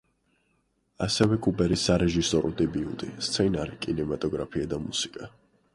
ასევე კუპერის სარეჟისორო დებიუტი, სცენარი, კინემატოგრაფია და მუსიკა.